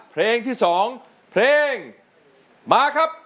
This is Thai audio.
ไม่ใช้ครับไม่ใช้ครับ